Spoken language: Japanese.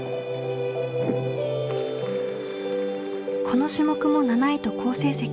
この種目も７位と好成績。